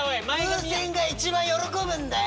風船が一番喜ぶんだよ。